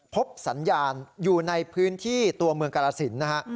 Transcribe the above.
พบสัญญาณอยู่ในพื้นที่ตัวเมืองกรสินนะฮะ